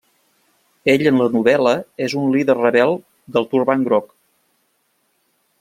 Ell en la novel·la és un líder rebel del Turbant Groc.